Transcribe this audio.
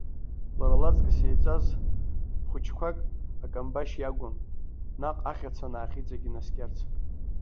Лара лаҵкыс иеиҵаз хәыҷқәак акамбашь иагәон, наҟ ахьацанаахь иҵегьы инаскьарц.